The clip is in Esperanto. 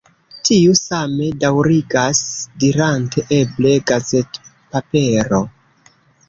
Tiu same daürigas dirante eble gazetpapero.